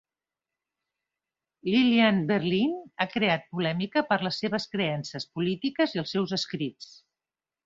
Lillian Berlin ha creat polèmica per les seves creences polítiques i els seus escrits.